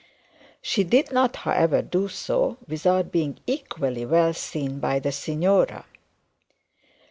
She did not however do so without being equally well seen by the signora.